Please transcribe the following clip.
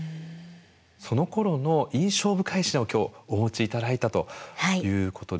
そのころの印象深い品を今日お持ち頂いたということで。